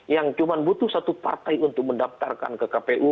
yang cuma butuh satu partai untuk mendaftarkan ke kpu